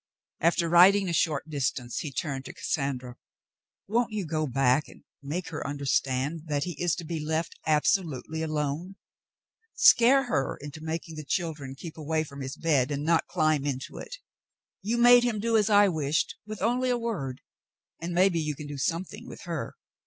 After riding a short distance, he turned to Cassandra. "Won't you go back and make her understand that he is to be left absolutely alone ? Scare her into making the children keep away from his bed, and not climb into it. You made him do as I wished, with only a word, and maybe you can do something with her.